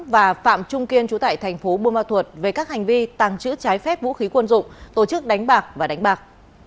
và phạm trung kiên chú tại thành phố buôn ma thuột về các hành vi tàng trữ trái phép vũ khí quân dụng tổ chức đánh bạc và đánh bạc